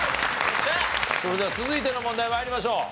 それでは続いての問題参りましょう。